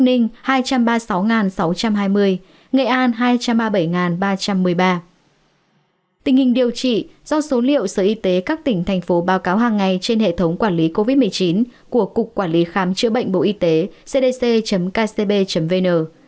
tình hình điều trị do số liệu sở y tế các tỉnh thành phố báo cáo hàng ngày trên hệ thống quản lý covid một mươi chín của cục quản lý khám chữa bệnh bộ y tế cdc kcb vn